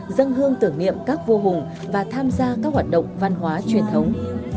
dân hương tưởng niệm các vua hùng và tham gia các hoạt động văn hóa truyền thống